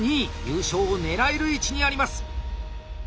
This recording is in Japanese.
優勝を狙える位置にあります！